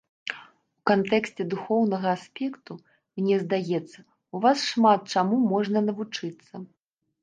У кантэксце духоўнага аспекту, мне здаецца, у вас шмат чаму можна навучыцца.